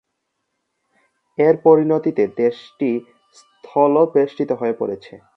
এর পরিণতিতে দেশটি স্থলবেষ্টিত হয়ে পড়েছে।